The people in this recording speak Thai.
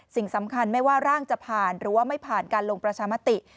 สิ่งสำคัญไม่ว่าร่างจะผ่านหรือว่าไม่ผ่านการลงประชามติ